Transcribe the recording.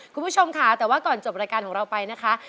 คุณผู้ชมค่ะแต่ว่าก่อนจบรายการของเราไปนะคะ